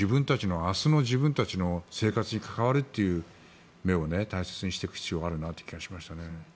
明日の自分たちの生活に関わるという目を大切にしていく必要があるなという気がしました。